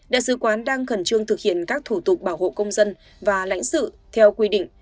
đại sứ quán đang khẩn trương thực hiện các thủ tục bảo hộ công dân và lãnh sự theo quy định